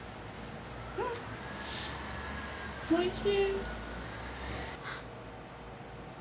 おいしい。